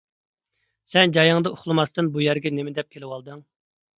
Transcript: سەن جايىڭدا ئۇخلىماستىن بۇ يەرگە نېمىدەپ كېلىۋالدىڭ؟